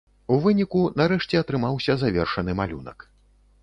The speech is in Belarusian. У выніку, нарэшце атрымаўся завершаны малюнак.